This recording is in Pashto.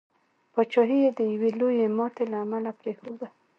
پاچهي یې د یوي لويي ماتي له امله پرېښودله.